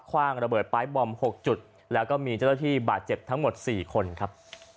ว่างระเบิดปลายบอม๖จุดแล้วก็มีเจ้าหน้าที่บาดเจ็บทั้งหมด๔คนครับ